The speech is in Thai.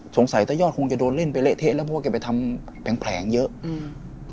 ตะยอดคงจะโดนเล่นไปเละเทะแล้วเพราะว่าแกไปทำแผลงแผลงเยอะอืม